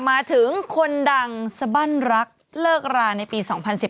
มาถึงคนดังสบั้นรักเลิกราในปี๒๐๑๘